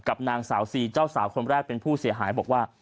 นางสาวซีเจ้าสาวคนแรกเป็นผู้เสียหายบอกว่า